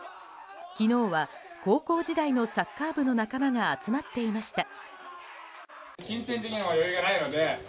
昨日は高校時代のサッカー部の仲間が集まっていました。